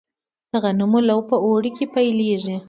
د غنمو لو په اوړي کې پیلیږي.